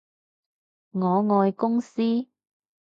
我愛公司